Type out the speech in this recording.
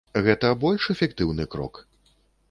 Гэта больш эфектыўны крок?